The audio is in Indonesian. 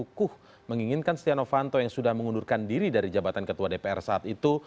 megitukukuh menginginkan setinov fanto yang sudah mengundurkan diri dari jabatan ketua dpr saat itu